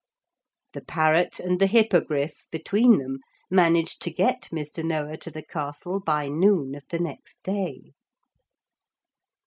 The parrot and the Hippogriff between them managed to get Mr. Noah to the castle by noon of the next day.